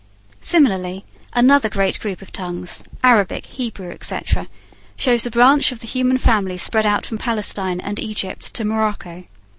Similarly, another great group of tongues Arabic, Hebrew, etc. shows a branch of the human family spread out from Palestine and Egypt to Morocco.